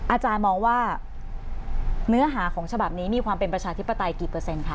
อาจารย์มองว่าเนื้อหาของฉบับนี้มีความเป็นประชาธิปไตยกี่เปอร์เซ็นค่ะ